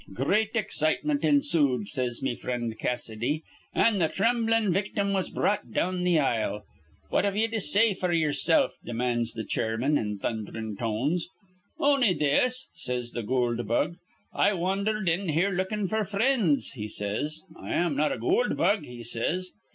Great excitement ensood, says me frind Cassidy; an' th' thremblin' victim was brought down th' aisle. 'What have ye to say f'r ye'ersilf?' demands th' chairman in thundhrin' tones. 'On'y this,' says th' goold bug. 'I wandhered in here, lookin' f'r frinds,' he says. 'I am not a goold bug,' he says.